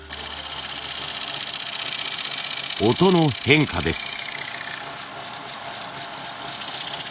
音の変化です。